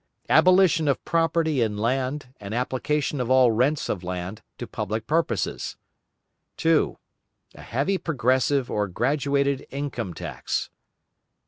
Abolition of property in land and application of all rents of land to public purposes. 2. A heavy progressive or graduated income tax.